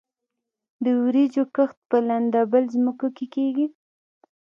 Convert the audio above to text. د وریجو کښت په لندبل ځمکو کې کیږي.